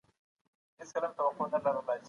علمي پلټنه تل په باوري اسنادو ولاړه وي.